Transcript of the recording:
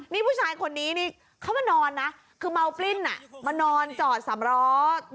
นี่ผู้ชายคนนี้นี่เขามานอนนะคือเมาปลิ้นมานอนจอดสำล้อ